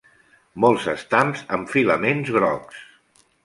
Molts estams amb filaments grocs.